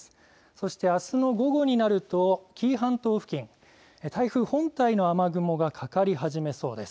そして、あすの午後になると、紀伊半島付近、台風本体の雨雲がかかり始めそうです。